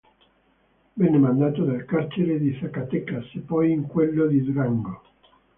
Venne mandato nel carcere di Zacatecas e poi in quello di Durango.